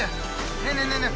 ねえねえねえねえ！